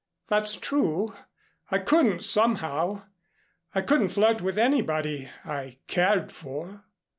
"That's true. I couldn't somehow. I couldn't flirt with anybody I cared for."